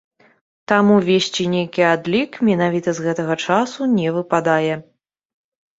Таму весці нейкі адлік менавіта з гэтага часу не выпадае.